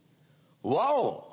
ワオ！